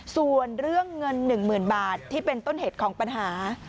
ส่วนเรื่องเงินหนึ่งหมื่นบาทที่เป็นต้นเหตุของปัญหา